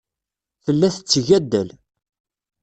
Tella tetteg addal.